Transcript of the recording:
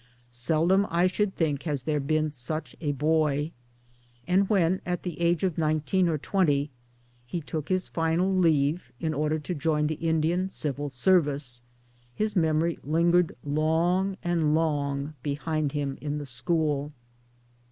'Seldom I should think has there been such a boy ; and when at the age of nineteen or twenty he took his final leave in order to join the Indian Civil Service, his memory lingered long and long behind him in the school.